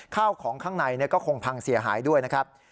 ข้าวของข้างในก็คงพังเสียหายด้วยนะครับ